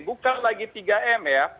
bukan lagi tiga m ya